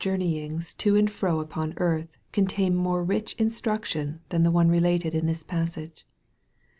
83 journeyings to and fro upon earth, contain more rich in struction than the one related in this passage.